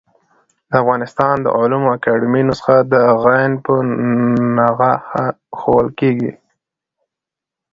د افغانستان د علومو اکاډيمۍ نسخه د ع په نخښه ښوول کېږي.